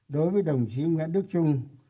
đối với đồng chí nguyễn đức trung